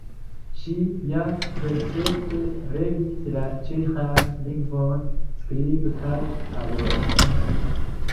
Ŝi ja perfekte regis la ĉeĥan lingvon skribe kaj parole.